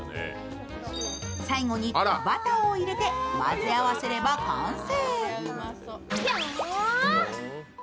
最後にバターを入れて混ぜ合わせれば完成。